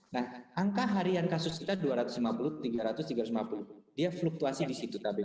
nah angka harian kasus kita dua ratus lima puluh tiga ratus tiga ratus lima puluh dia fluktuasi di situ